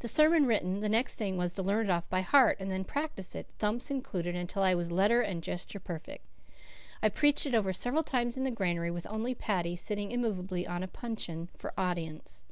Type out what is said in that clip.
The sermon written, the next thing was to learn it off by heart and then practise it, thumps included, until I was letter and gesture perfect. I preached it over several times in the granary with only Paddy, sitting immovably on a puncheon, for audience.